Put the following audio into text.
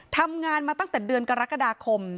ทำงานมาตั้งแต่เดือนกรกฎาคม